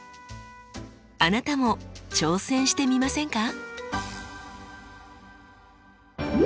あなたも挑戦してみませんか？